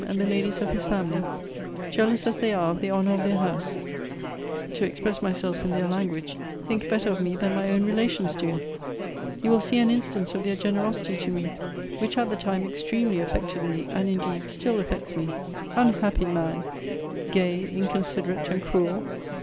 and the Ladies of his family, jealous as they are of the honour of their house, (to express myself in their language,) think better of me than my own relations do. You will see an instance of their generosity to me, which at the time extremely affected me, and indeed still affects me. Unhappy man! gay, inconsiderate, and cruel!